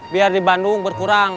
biar di bandung berkurang